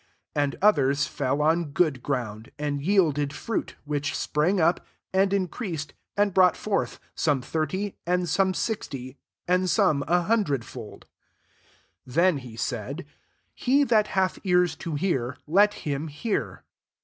8 And others fell on good ground, and yielded fruit, which sprang np, and increased, and broug^ forth, some thirty, and some sixty, and some a hundredyWA" 9 Then he said, << He that hath ears to hear let him hear."